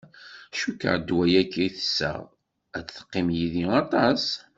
Cukkeɣ ddwa-yagi i sesseɣ ad teqqim yid-i aṭas.